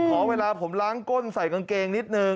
ขอเวลาผมล้างก้นใส่กางเกงนิดนึง